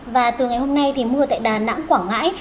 và từ ngày hôm nay thì mưa tại đà nẵng quảng ngãi